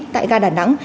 tại ga đà nẵng